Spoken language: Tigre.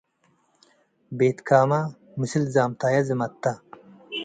ቤትካመ ምስል ዛምታየ ዝመተ።